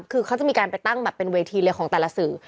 คือเขาจะมีการไปตั้งแบบเป็นเวทีเลยของแต่ละสื่อ